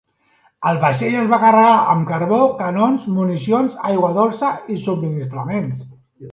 El vaixell es va carregar amb carbó, canons, municions, aigua dolça i subministraments.